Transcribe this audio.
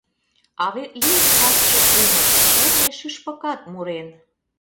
А вет лийын касше умыр, сылне шӱшпыкат мурен.